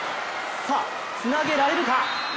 さあ、つなげられるか。